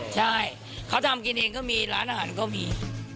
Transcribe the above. ใช่เขาทำกินเองก็มีร้านอาหารก็มี